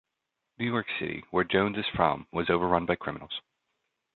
New York City, where Jones is from, was overrun by criminals.